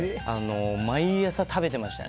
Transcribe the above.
毎朝、食べてましたね。